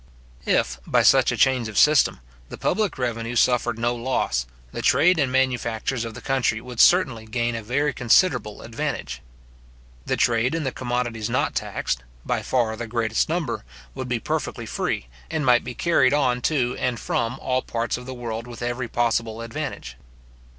If, by such a change of system, the public revenue suffered no loss, the trade and manufactures of the country would certainly gain a very considerable advantage. The trade in the commodities not taxed, by far the greatest number would be perfectly free, and might be carried on to and from all parts of the world with every possible advantage.